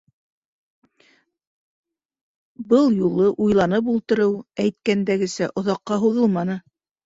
Был юлы уйланып ултырыу, әйткәндәгесә, оҙаҡҡа һуҙылманы.